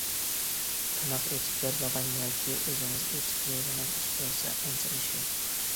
تاماق ئېتىپ بېرىدىغان ياكى ئۆزىڭىز ئېتىپ يەيدىغان ئىش بولسا ئەنسىرەش يوق.